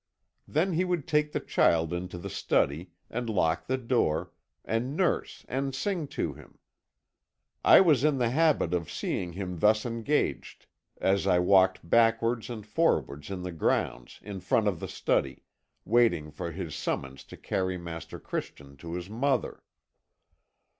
"Then he would take the child into the study, and lock the door, and nurse and sing to him. I was in the habit of seeing him thus engaged as I walked backwards and forwards in the grounds in front of the study, waiting for his summons to carry master Christian to his mother.